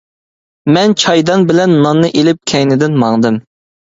مەن چايدان بىلەن ناننى ئېلىپ كەينىدىن ماڭدىم.